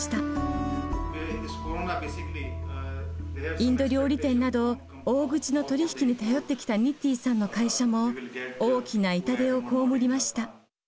インド料理店など大口の取り引きに頼ってきたニッティンさんの会社も大きな痛手を被りました。